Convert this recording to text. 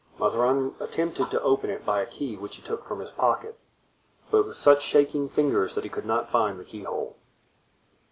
Mazarin attempted to open it by a key which he took from his pocket, but with such shaking fingers that he could not find the keyhole.